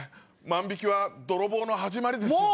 万引きは泥棒の始まりですよね。